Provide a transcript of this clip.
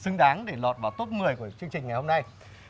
những bức ảnh xứng đáng để lọt vào top một mươi của chương trình ngày hôm nay